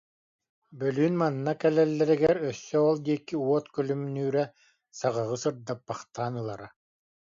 Бөлүүн манна кэлэллэригэр өссө ол диэки уот күлүмнүүрэ саҕаҕы сырдаппахтаан ылара